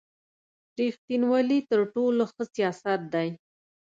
رېښتینوالي تر ټولو ښه سیاست دی.